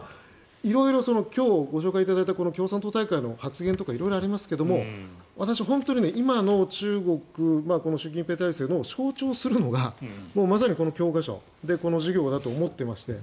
色々、今日ご紹介いただいた共産党大会の発言とか色々ありますが私、本当に今の中国この習近平体制を象徴するのがまさにこの教科書、授業だと思っていまして